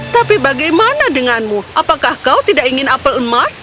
tapi bagaimana denganmu apakah kau tidak ingin apel emas